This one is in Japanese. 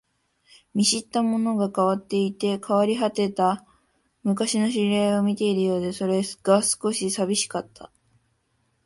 見知ったものが変わっていて、変わり果てた昔の知り合いを見ているようで、それが少し寂しかった